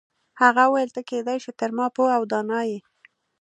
هغه وویل ته کیدای شي تر ما پوه او دانا یې.